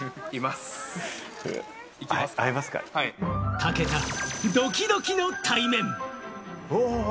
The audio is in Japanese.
たけたん、ドキドキの対面！